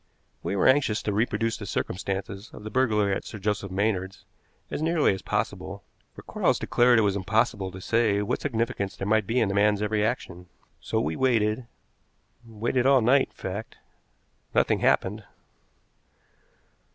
We were anxious to reproduce the circumstances of the burglary at Sir Joseph Maynard's as nearly as possible, for Quarles declared it was impossible to say what significance there might be in the man's every action. So we waited waited all night, in fact. Nothing happened.